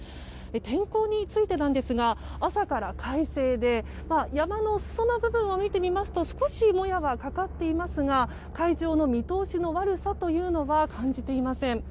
天候についてですが朝から快晴で山の裾の部分を見てみますと少し、もやがかかっていますが海上の見通しの悪さというのは感じていません。